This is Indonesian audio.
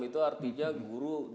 itu artinya guru